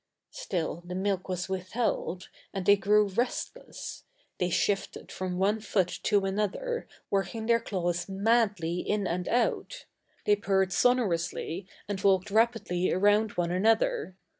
Still the milk was withheld, and they grew restless; they shifted from one foot to another working their claws madly in and out; they purred sonorously and walked rapidly around one another.